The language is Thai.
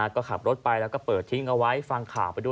ก็ขับรถไปแล้วก็เปิดทิ้งเอาไว้ฟังข่าวไปด้วย